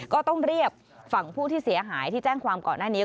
ก็ต้องเรียกฝั่งผู้ที่เสียหายที่แจ้งความก่อนหน้านี้